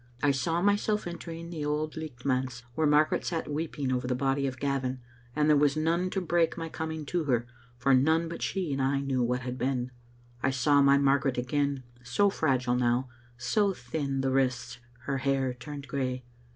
I saw myself entering the Auld Licht manse, where Margaret sat weeping over the body of Gavin, and there was none to break my coming to her, for none but she and I knew what had been. Digitized by VjOOQ IC y(c0t Soutnes to G1>rum0* 985 I saw my Margaret again, so fragile now, so thin the wrists, her hair turned grey.